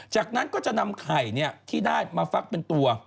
จากนั้นก็จะนำไข่ที่ได้มาฟักเป็นตัว